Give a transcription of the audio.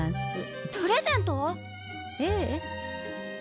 ええ。